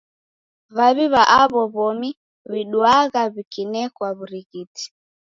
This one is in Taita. W'aw'i w'a aw'o w'omi w'iduagha w'ikinekwa w'urighiti.